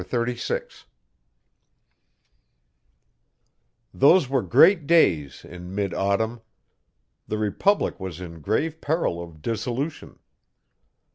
Chapter 36 Those were great days in mid autumn. The Republic was in grave peril of dissolution.